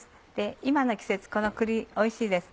今の季節この栗おいしいです。